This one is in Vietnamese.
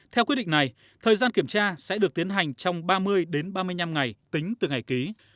theo quyết định này thời gian kiểm tra sẽ được tiến hành trong ba mươi đến ba mươi năm ngày tính từ ngày ký